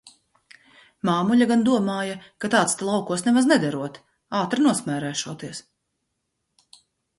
Māmuļa gan domāja, ka tāds te laukos nemaz nederot, ātri nosmērēšoties.